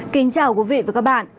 kính chào quý vị và các bạn